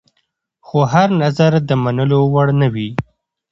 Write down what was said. خو هر نظر د منلو وړ نه وي.